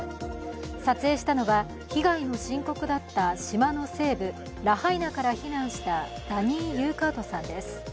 撮影したのは被害の深刻だった島の西部ラハイナから避難したダニー・ユーカートさんです。